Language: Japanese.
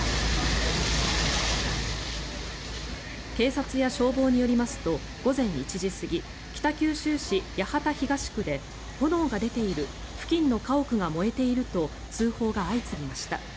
警察や消防によりますと午前１時過ぎ北九州市八幡東区で炎が出ている付近の家屋が燃えていると通報が相次ぎました。